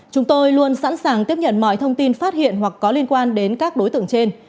chúng tôi luôn sẵn sàng tiếp nhận mọi thông tin phát hiện hoặc có liên quan đến các đối tượng trên